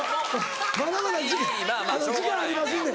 まだまだ時間ありますんで。